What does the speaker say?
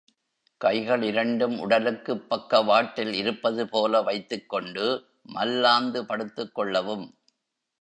கைகள் இரண்டும் உடலுக்குப் பக்கவாட்டில் இருப்பது போல வைத்துக் கொண்டு மல்லாந்து படுத்துக் கொள்ளவும்.